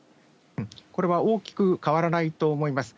これは大きく変わらないと思います。